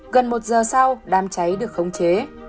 gần một giờ sau đám cháy được khống chế